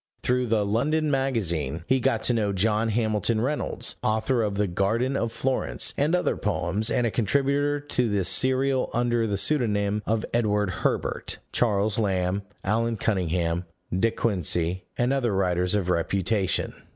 Through the London Magazine, he got to know John Hamilton Reynolds (author of the Garden of Florence and other poems, and a contributor to this serial under the pseudonym of Edward Herbert), Charles Lamb, Allan Cunningham, De Quincey, and other writers of reputation.